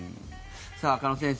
鹿野先生